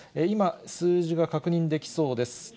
今、数字が確認できそうです。